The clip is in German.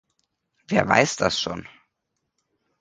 Wer weiẞ das schon?